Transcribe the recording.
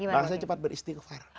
maka saya cepat beristilfar